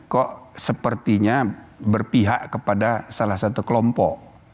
kok sepertinya berpihak kepada salah satu kelompok